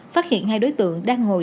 phát hiện hai đối tượng đang ngồi